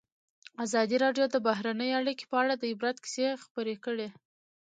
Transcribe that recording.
ازادي راډیو د بهرنۍ اړیکې په اړه د عبرت کیسې خبر کړي.